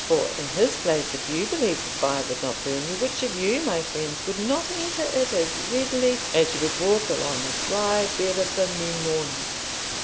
For in his place, if you believed the fire would not burn you, which of you, my friends, would not enter it as readily as you would walk along the dry bed of the Mugnone?"